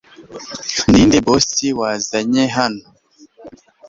ninde boss wazanye hano